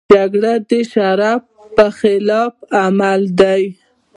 جګړه د شرف خلاف عمل دی